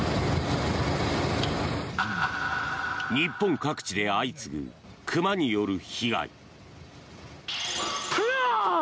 日本各地で相次ぐ熊による被害。